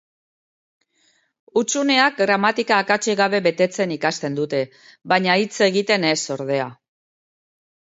Hutsuneak gramatika akatsik gabe betetzen ikasten dute baina hitz egiten ez, ordea.